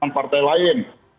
dan partai lain